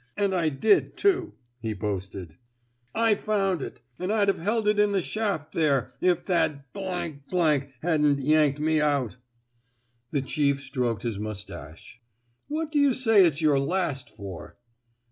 ... And I did, too," he boasted. I found it. An' I'd 've held it in the shaft there, if that hadn't yanked me out." The chief stroked his mustache. What do you say it's your * last ' for!